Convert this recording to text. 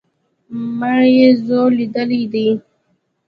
ما ئې زور ليدلى دئ